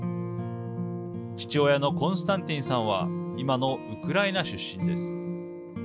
父親のコンスタンティンさんはいまのウクライナ出身です。